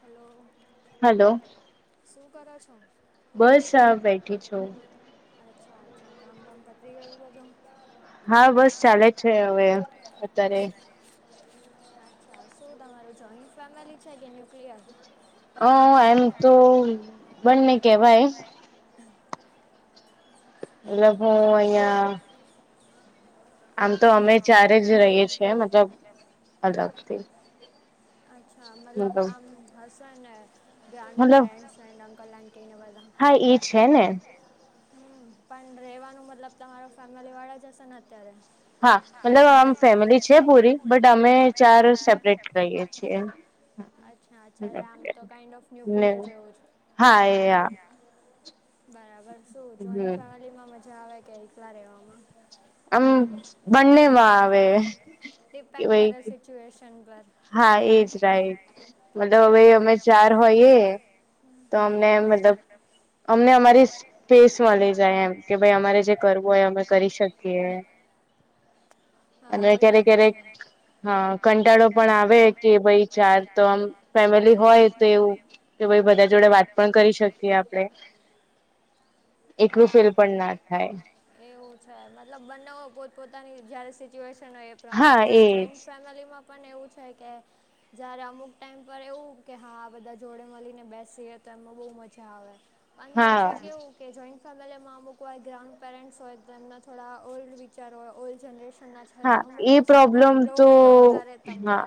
Hello. Hello. શું કરો છો? બસ આ બેઠી છું. અચ્છા અચ્છા કામ બામ પતી ગયું બધું? હા બસ ચાલે છે હવે અત્યારે. અચ્છા શું તમારું જોઈન્ટ ફેમિલી છે, કે ન્યુક્લિયર? અહ એમ તો બંને કેવા કેવાય, હા. એટલે ભો અહીંયા આમ તો અમે ત્યારે રહીએ છીએ મતલબ અલગ થી. અચ્છા મતલબ આમ હર્ષને ગ્રાન્ડ પેરેન્ટ્સ એડ અંકલ આન્ટીને બધા. હા ઈ છે ને. હમ્મ, પણ રહેેવાનું તમારો ફેમિલી વાળા હશે ને અત્યારે? હા, મતલબ આમ ફેમિલી છે પૂરી બટ અમે ચાર સેપરેટ રહીએ છીએ. અચ્છા અચ્છા એટલે આમ તો કાઈડ ઓફ ન્યુક્લિયર જેવો જ. હા, એ આ. બરાબર શું જોઈન્ટ ફેમિલીમાં મજા આવે કે એકલા રહેેવામાં? આમ બંનેમાં આવે કે ભાઈ [inaudible] હા એ જ રાઈટ મતલબ હવે અમે ચાર હોય એ તો અમને મતલબ અમને અમારી સ્પેસ મલી જાય એમ કે ભાઈ અમારે જે કરવું હોય અમે કરી શકીએ. અને ક્યારેક ક્યારેક હા કંટાળો પણ આ આવે કે ભાઈ ચાર ત્રણ ફેમિલી હોય તો એવું કે ભાઈ બધા જોડે વાત પણ કરી શકીએ આપણે એકલું ફીલ પણ ના થાય. એવું છે, મતલબ બને પોત પોતાની જયારે સિચ્યુએશન હોય પ્રમાણે છે, જોઈન્ટ ફેમિલીમાં પણ એવું છે, કે જ્યારે અમુક ટાઈમ પર એવું કે હા બધા જોડે મલીને બેસીએ તો એમાં બો મજા આવે અન પ કે જોઈન્ટ ફેમિલીમાં અમુક વાર હોય ગ્રાન્ડ પેરેન્ટ્સ હોય તેમના થોડા ઓલ્ડ વિચારો હોય ઓલ્ડ જનરેશ ના છે, તો અમુક વસ્તુ પર રોકટોક કરે તમને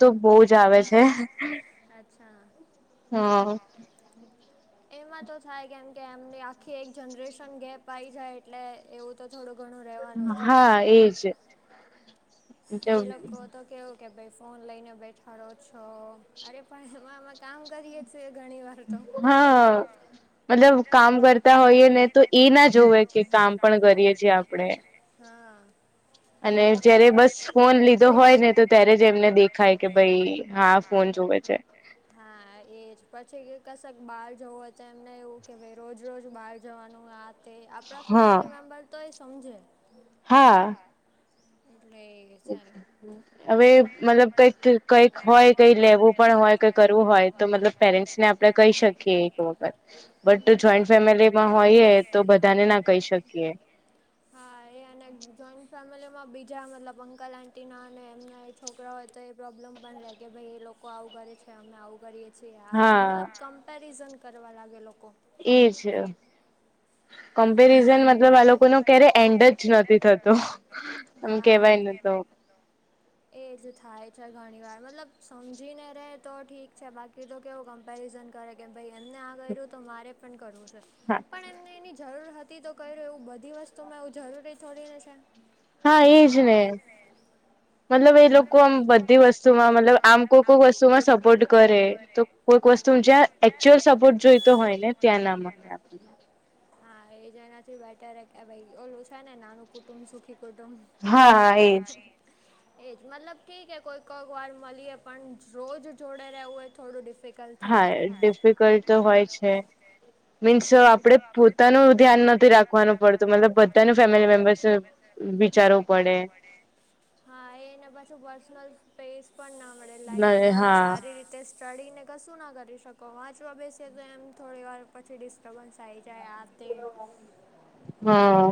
તો બો જ આવે છે, હ એમાં તો થાય કેમ કે એમની આખી એક જનરેશન ગેપ આઈ જાય એટલે એવું તો થોડું ઘણું રહેવાનું જ હા એજ એ લોકો તો કેવુ કે ભાઈ ફોન લઈને બેઠા રહો છો અરે પણ એમાં અમે કામ કરીયે છીએ ઘણી વાર હા. મતલબ કામ કરતા હોઈએ ને તો એ ના જોવે કે કામ પણ કરીએ છીએ આપણેે હા. અને જયારે બસ ફોન લીધો હોય ને તો ત્યારે જ એમને દેખાય કે ભાઈ હા ફોન જોવે છે. હા. એ જ પછી કશક બહાર જવું હોય તો એમને એવું કે ભાઈ રોજ રોજ બહાર જવાનું આ તે આપણા ફેમિલી મેમ્બર તો એ સમજે હા‌. એટલે સારું અવે મતલબ કઈક કઈક હોય કઈ લેવું પણ હોય કઈ કરવું હોય તો મતલબ પેરેન્ટ્સ ને આ પણે કહી શકીએ એક વખત બટ જોઈન્ટ ફેમિલીમાં હોઈએ તો બધાને ના કહી શકીએ [unintelligible] હા એ અને જોઈન્ટ ફેમિલીમાં બીજા મતલબ અંકલ આંટીના અને એમના હા એ છોકરા હોય તો એ પ્રોબ્લેમ પણ રહે કે ભાઈ એ લોકો આવું કરે છે, અમે આવું કરીએ છીએ આ તે મતલબ કમ્પેરિઝન કરવા લાગે લોકો એ જ કમ્પેરિઝન મતલબ આ લોકોનો ક્યારે એન્ડ જ નથી થતો એમ કેવાય ને તો તો એજ થાય છે, ઘણી વાર મતલબ સમજીને રહે તો ઠીક છે, બાકી તો કેવું કમ્પેરિઝન કરે કે ભાઈ એમને આ કર્યું તો મારે પણ કરવું છે, પણ એ જરૂર હતી તો કર્યું એવું બધી વસ્તુમાં એવું જરૂરી થોડી ને છે. હા એજ ને મતલબ એ લોકો આમ બધી વસ્તુમાં મતલબ આમ કોઈ કોઈ વસ્તુમાં સપોર્ટ કરે તો કોઈક વસ્તુ જ્યાં એકચુઅલ સપોર્ટ જોઈતો હોય ને ત્યાં ના મળે આપડને હા, એ જ એનાથી બેટર કેવાય, ઓલું છે ને નાનું કુટુંબ, સુખી કુટુંબ હા.. હા, એજ એજ, મતલબ ઠીક હે, કે કોઈક- કોઈક વાર મલીએ પણ, રોજ જોડે રહેવું એ થોડું ડિફિ હા, ડિફિકલ્ટ તો હોય છે, મીન્સ આપડે પોતાનું જ ધ્યાન નથી રાખવાનું પડતું, મતલબ બધાનું ફેમિલી મેમ્બર્સ નું વિચારવું પડે. હા, એને પાછું પર્સનલ સ્પેસ પણ ના મળે લાઈક, તમે સારી રીતે ચડીને કશું ના કરી શકો, વાંચવા બેસીએ તો એમ થોડી વાર પછી ડિસ્ટર્બન્સ આઈ જાય, આ તે હા,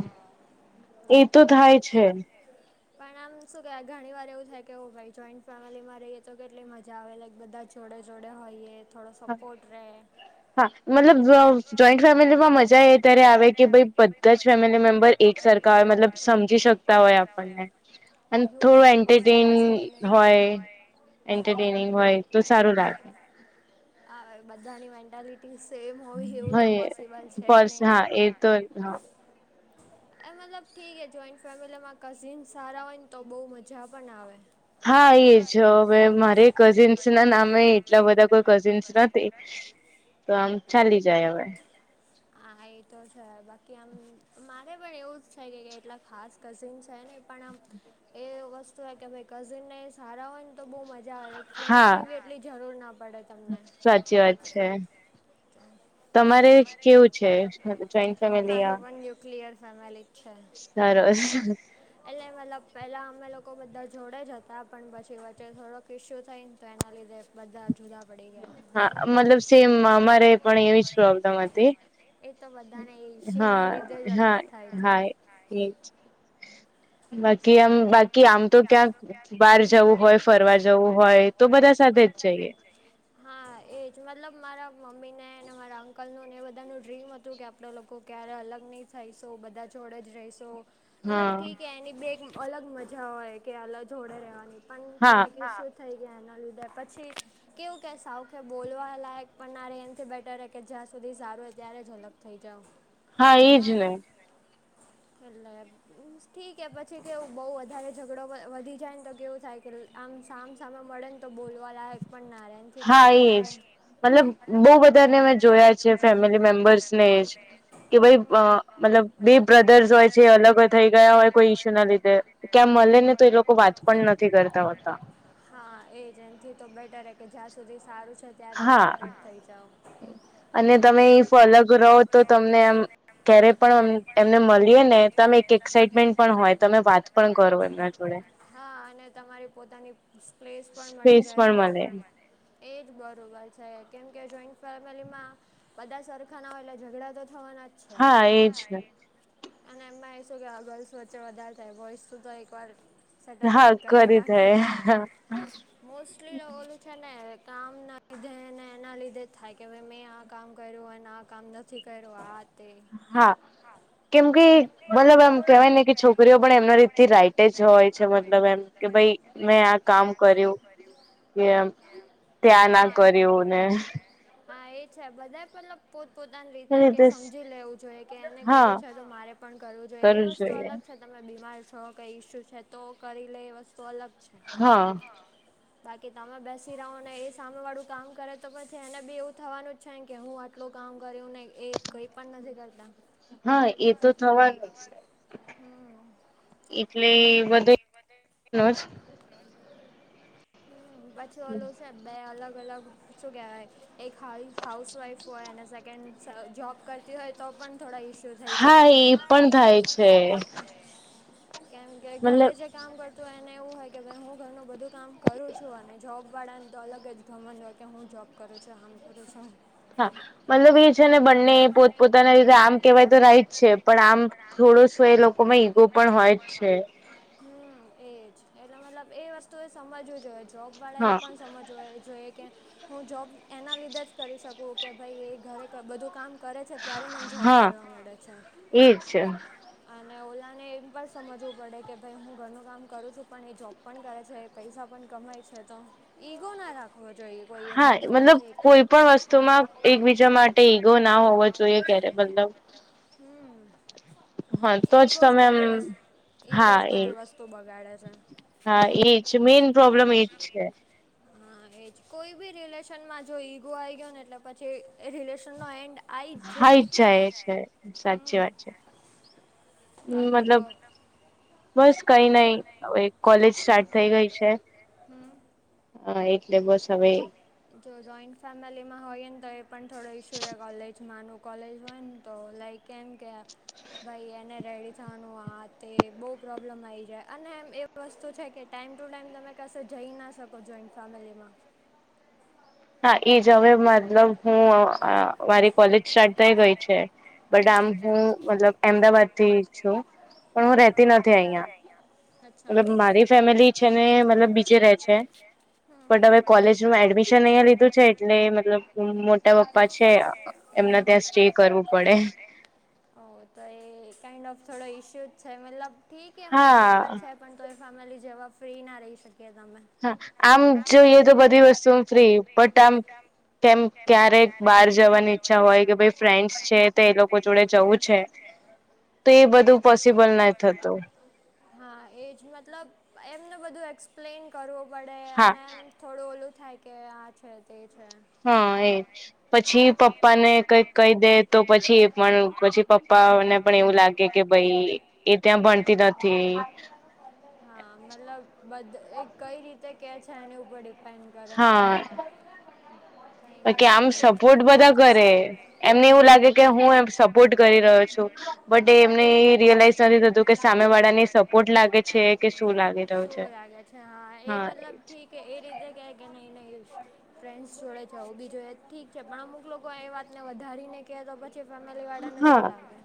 એતો થાય છે. પણ આમ શું કે ઘણી વાર એવું થાય કે, ઓ ભાઈ જોઈન્ટ ફેમિલીમાં રહીએ તો કેટલી મજા આવે લાઈક બધા જોડે-જોડે હોઈએ થોડો સપોર્ટ રહે. હા, મતલબ જોઈન્ટ ફેમિલીમાં મજા એ ત્યારે આવે કે ભઈ બધા જ ફેમિલી મેમ્બર એક સરખા હોય, મતલબ સમજી શકતા હોય આપણને અને થોડું એન્ટરટેન હોય, એન્ટરટેનિંગ હોય તો સારું લાગે. આ હવે, બધાની મેન્ટાલિટી સેમ હોય એવું તો પોસિબલ છે નહી, હા એ તો છે. એ મતલબ ઠીક હે, જોઈન્ટ ફેમિલીમાં કઝિન સારા હોય ને તો બોવ મજા પણ આવે. હા, એ જ હવે મારે કઝિન્સના નામે એટલા બધા કોઈ કઝિન્સ નથી. તો આમ ચાલી જાય હવે હા, એ તો છે, બાકી આમ મારે પણ એવું કંઈક કે, એટલા ખાસ કઝિન્સ છે નઈ પણ આમ એ વસ્તુ હો કે ભાઈ કઝિનને એ સારા હોય ને તો બહુ મજા આવે, લાઈક ફ્રેન્ડસ ની બી એટલી જરૂર ના પડે તમને, સાચી વાત છે. તમારે કેવું છે? મારે પણ ન્યુક્લિયર ફેમિલી સરસ એટલે મતલબ પહેલાં અમે લોકો બધા જોડે જ હતા, પણ પછી વચ્ચે થોડોક ઈસ્યુ થઈ તો એના લીધે બધા જુદા પડી ગયા, હા.. મતલબ સેમ અમારે પણ એવી જ પ્રોબ્લેમ હતી. એ તો બધાને એ ઈસ્યુ ના લીધે જ અલગ થાય છે, હા.. હા એજ બાકી આમ, બાકી આમ તો ક્યાંક બહાર જવું હોય, ફરવા જવું હોય હોય, તો બધા સાથે જ જઈએ. [inaudible] એજ મતલબ મારા મમ્મીને અને મારા અંકલનું એ બધાનું ડ્રીમ હતું કે આપડે લોકો લોકો ક્યારે અલગ નહી થઈશું બધા જોડે જ રહીશું. મતલબ ઠીક હે, એની બી એક અલગ મજા હોય કે અલ, જોડે રહેવાની પણ થોડાક ઇસ્યૂ, હા થઈ ગયા એના લીધે, પછી કેવું કે, સાવ કે બોલવા લાયક પણ ના રે, એનથી બેટર કે જ્યાં સુધી સારું હોય ત્યારે જ અલગ થઈ જાવ, હા એજ ને, એટલે.. ઠીક હે પછી પછી કેવું બોવ વધારે ઝઘડો વધી જાય ને તો કેવું થાય કે આમ, સામસામે મળે ને તો આમ બોલવા લાયક પણ ના રહે, એન થી બેટર હે કે, હા એ જ મતલબ બહુ બધાને મેં જોયા છે ફેમિલી મેમ્બર્સ ને જ, કે ભાઈ અ મતલબ બે બ્રધર્સ હોય છે, અલગ થઈ ગયા હોય કોઈ ઈશ્યુ ના લીધે ક્યાં મલે ને તો એ લોકો વાત પણ નથી કરતા હોતા હા એજ એનથી તો બેટર હે કે જ્યાં સુધી સારું છે. હા અને તમે ઇ ફોલો કરાવો તો તમને આમ ક્યારે પણ એમને મલીએ ને તો આમ એક એક્સાઈટમેન્ટ પણ હોય તમે વાત પણ કરો એમના જોડે હા અને તમારી પોતાની સ્પ્લેસ પણ જાય એજ બરોબર છે, કેમ કે જોઈન્ટ ફેમિલીમાં બધા સરખા ના હોય એટલે ઝઘડા તો થવાના છે, [unintelligible] અને એમાં એ શું કે ગર્લ્સ વચ્ચે વધારે થાય [unintelligible] એકવાર હા કરી [unintelligible] મોસ્ટલી ઓલું છે, ને કામ ના લીધે ને એના લીધે થાય કે મે કામ કર્યુંને આ કામ નથી કયુઁ આ હા કેમ કે મતલબ એમ કેહેવાય ને કે છોકરીઓ છોકરીઓ પણ એમના રીત રાઈટ જ હોય છે, મતલબ એમ કે ભાઈ મેં આ કામ કર્યું કે એમ ત્યાં ના કર્યુંને હા એ છે, બધા પતલબ પોતપોતાની રીતે કે સમજી લેવું જોઈએ કે એને કર્યું છે, તો મારે પણ કરવું જોઈએ એ વસ્તુ અલગ તમે બીમાર છો કઈ ઈસ્યુ છે, તો કરી લે એ વસ્તુ અલગ છે. બાકી તમે બેસી રહો ને એ સામે વાળું કામ કરે તો પણ છે, એને ભી એવું થવાનું છે, કે હું આટલું કામ કર્યું ને એ કઈ પણ નથી કરતા હા એ તો થવાનુ જ છે. એટલે બધો [unintelligible] હમ પછી ઓલો છે, બે અલગ અલગ શું કેવાય એક હા હાઉસવાઈફ અને સેકન્ડ જોબ કરતી હોય તો પણ થોડા ઈસ્ હા એ પણ થાય છે. કેમ કે ઘરે જે કામ કરતું હોય એને એવું હોય કે ભાઈ હું ઘરનું બધું કામ કરું છું અને જોબ વાળાને તો અલગ જ ઘમંડ હો કે હું જોબ કરું છું આમ કરું છું હા મતલબ એ છે, ને બંને પોત પોતાના રીતે આમ કેહેવાય તો રાઈટ છે, પણ આમ થોડો એ લો કોમાં ઈગો પણ હોય જ છે. હમ એજ એટલે મતલબ એ વસ્તુ એ સમજવું જોઈજ જોબ વાળા એ પણ સમજવું જોઈએ કે હું જોબ એના લીધે જ કરી શકું કે ભાઈ એ ઘરે બધું કામ કરે છે, ત્યારે મને જોબ કરવા મળે છે. અને ઓલાને એમ પણ સમજવું પડે કે ભાઈ હું ઘરનું કામ કરું છું પણ એ જોબ પણ કરે છે, પૈસા પણ કમાય છે, તો ઈગો ના રાખવો જોઈએ કોઈ બન્ને માંથી કોઈ પણ વસ્તુમાં એકબીજા માટે ઈગો ના હોવો જોઈએ ક્યારે મતલબ હમ. ઇગો જ બધી વસ્તુ ઇગો જ બધી વસ્તુ બગાડે છે. હા એ જ મેન મેઇન પ્રોબ્લેમ એજ છે. હા એ જ કોઈ બી રિલેશનમાં જો ઈગો આવી ગયો ને એટલે પછી એ રિલેશનનો એન્ડ આયી જ જાય હમમ બાકી કો બસ કઈ નઈ હવે કોલેજ સ્ટાર્ટ થઈ ગઈ છે. હા, એટલે બસ હવે જો જોઈન્ટ ફેમિલીમાં હોય ને તો એ પણ થોડું ઇસ્યુ રે કોલેજમાંનું કોલેજ હોય તો લાઈક કેમ કે આ ભાઈ એને રેડી થવાનું આ તે બૉવ પ્રોબ્લેમ આવી જાય અને એમ એ એ વસ્તુ છે કે ટાઈમ ટુ ટાઈમ તમે કસે જઈ ના શકો જોઈન્ટ ફેમિલીમાં. હા, એઈ જ હવે મતલબ હું અહ મારી કોલેજ સ્ટાર્ટ થઈ ગઈ છે. છે બટ આમ હું મતલબ અમદાવાદ થી છું પણ હું રહતી નથી અહીંયા. અચ્છા એટલે મારી ફેમિલી છેને મતલબ બીજે રહે છે. બટ હવે કોલેજ નું એડમિશન અહીંયા લીધું છે. એટલે મતલબ મોટા પપ્પા છે એમના ત્યાં સ્ટે કરવું પડે. અહ ઓ તો એ કઇન્ડ ઓફ થોડો ઈશ્યુ જ છે મતલબ ઠીક એ મોટા પપ્પા છે પણ તો એ ફેમિલી જેવા ફ્રી ના રહી શકીએ તમે. હા, આમ જોઈએ તો બધી વસ્તુ ફ્રી બટ આમ કેમ ક્યારેક બહાર જવાની ઈચ્છા હોય કે ભાઈ ફ્રેન્ડ્સ છે તો એ લોકો જોડે જવું છે. છે. તો એ બધું પોસિબલ નહિ થતું. હા, એજ મતલબ એમને બધું એક્સપ્લેન કરવું પડે અને એમ થોડું ઓલું થાય કે આ છે તે છે હા એ જ પછી પપ્પા ને કઈક કહી દે તો પછી એ પણ પછી પપ્પા ઓને પણ એવું લાગે કે ભઈ એ ત્યાં ભણતી નથી હા, મતલબ બધ એ કઈ રીતે કે છે એની ઉપર ડિપેન્ડ કરે. કઈ નહીં નહીં એ પણ થઈ જશે. બટ એમને રિયલાઈઝ નથી થતું કે સામે વાળા ને સપોર્ટ લાગે છે કે શું લાગે. છા હા એ મતલબ ઠીક એ રીતે કે કે નહી નહી ફ્રેન્ડસ જોડે જઉં બી જોઈએ ઠીક છે પણ અમુક લોકો એ વાત ને વધારી ને કે તો પ કે ફેમલી વાળા ને શું લાગે.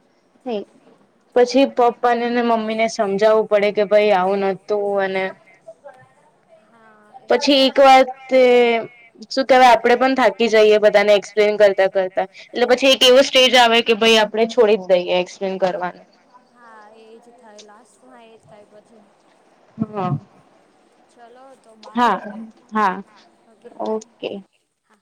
પછી પપ્પા ને ને મમ્મી ને સમજાવવું પડે કે ભાઈ આવું નોતું અને બધા ના હા. પછી એક વાત કે શું કેહેવાય આપડે પણ થાકી જઈએ બધાને એક્સપ્લેન કરતા કરતા એટલે પછી એક એવો સ્ટેજ આવે કે ભાઈ આપ છોડી જ દઈએ એક્સપ્લેન કરવાનું. હા, એજ થાય લાસ્ટમાં એજ થાય પછી. હા, ચલો તો બાય હવે. Okay bye. હા.